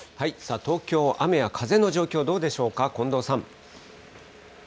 東京、雨や風の状況、どうでしょうか、近藤さん。